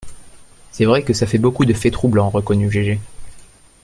C’est vrai que ça fait beaucoup de faits troublants, reconnut Gégé.